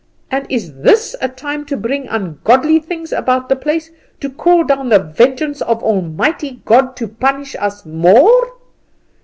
And is this a time to bring ungodly things about the place, to call down the vengeance of Almighty God to punish us more?